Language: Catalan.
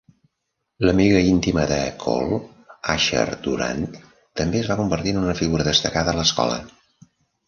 L'amiga íntima de Cole, Asher Durand, també es va convertir en una figura destacada a l'escola.